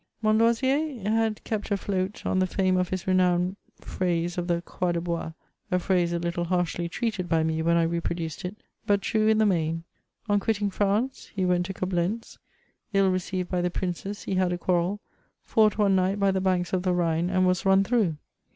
Montlosier had kept aBoat on the fame of his renowned phrase of the croix de bois, a phrase a little har^y treated by me when I reproduced it, but true in the main. On quit ting France, he went to Coblentz ; ill received by^ the princes, he had a quarrel, fought one night by the banks of the Rhine, and was run through.